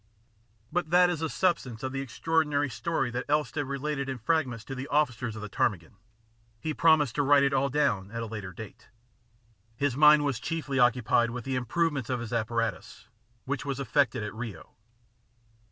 But that is the substance of the extraordinary IN THE A6YSS 93 story that Elstead related in fragments to the officers of the Ptarmigan. He promised to write it all down at a later date. His mind was chiefly occupied with the improvement of his apparatus, which was effected at Rio.